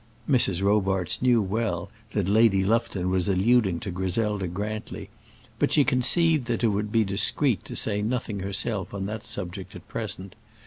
Mrs. Robarts knew well that Lady Lufton was alluding to Griselda Grantly, but she conceived that it would be discreet to say nothing herself on that subject at present.